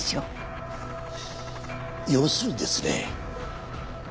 要するにですね